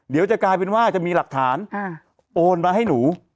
เดี๋ยวจะกลายเป็นว่าจะมีหลักฐานโอนมาให้หนู